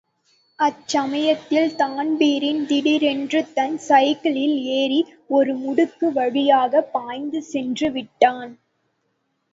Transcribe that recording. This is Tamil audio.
அச்சமயத்தில் தான்பிரீன் திடீரென்றுதன் சைக்கிளில் ஏறி ஒரு முடுக்கு வழியாகப் பாய்ந்து சென்று விட்டான்.